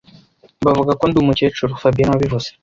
Bavuga ko ndi umukecuru fabien niwe wabivuze